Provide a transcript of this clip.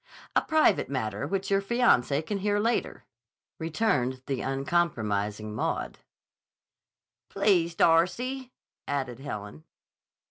"A private matter which your fiancé can hear later," returned the uncompromising Maud. "Please, Darcy," added Helen.